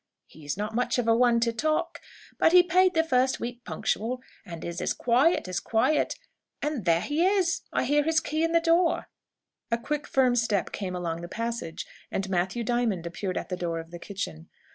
He is not much of a one to talk, but he paid the first week punctual, and is as quiet as quiet, and there he is! I hear his key in the door." A quick, firm step came along the passage, and Matthew Diamond appeared at the door of the kitchen.